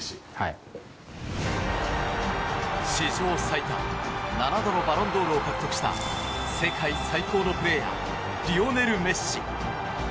史上最多７度のバロンドールを獲得した世界最高のプレーヤーリオネル・メッシ。